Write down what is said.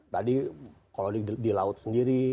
tadi kalau di laut sendiri